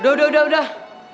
udah udah udah